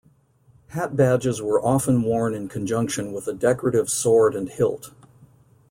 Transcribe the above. Hat badges were often worn in conjunction with a decorative sword and hilt.